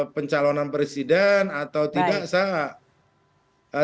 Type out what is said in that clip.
pencalonan presiden atau tidak saya